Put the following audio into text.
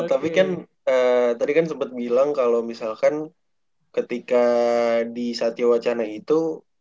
tapi kan tadi kan sempet bilang kalau misalkan ketika di satya wacana itu